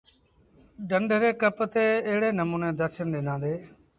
ڍنڍ ري ڪپ تي ايڙي نموٚني درشن ڏنآندي۔